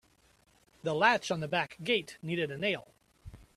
The latch on the back gate needed a nail.